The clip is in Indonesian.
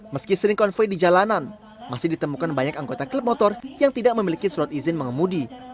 meski sering konvoy di jalanan masih ditemukan banyak anggota klub motor yang tidak memiliki surat izin mengemudi